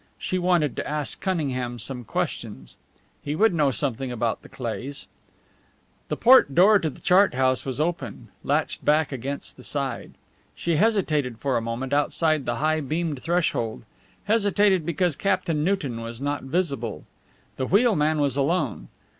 She wanted to ask Cunningham some questions. He would know something about the Cleighs. The port door to the chart house was open, latched back against the side. She hesitated for a moment outside the high beamed threshold hesitated because Captain Newton was not visible. The wheelman was alone.